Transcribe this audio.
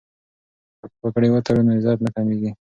که پګړۍ وتړو نو عزت نه کمیږي.